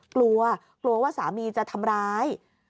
กลัวกลัวว่าสามีจะทำร้าย